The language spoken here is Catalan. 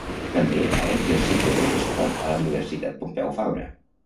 També ha exercit de professora a la Universitat Pompeu Fabra.